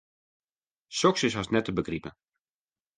Soks is hast net te begripen.